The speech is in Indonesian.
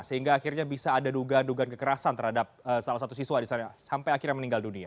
sehingga akhirnya bisa ada dugaan dugaan kekerasan terhadap salah satu siswa di sana sampai akhirnya meninggal dunia